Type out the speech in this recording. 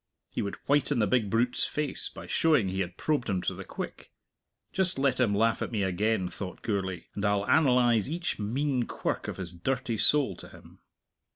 He would whiten the big brute's face by showing he had probed him to the quick. Just let him laugh at me again, thought Gourlay, and I'll analyze each mean quirk of his dirty soul to him!